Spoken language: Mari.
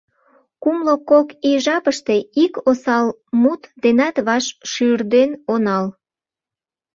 Кумло кок ий жапыште ик осал мут денат ваш шӱрден онал.